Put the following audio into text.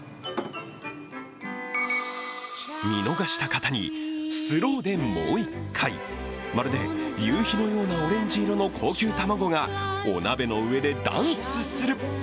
見逃した方にスローでもう一回。まるで夕日のようなオレンジ色の高級卵がお鍋の上でダンスする。